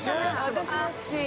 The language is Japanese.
私も好き。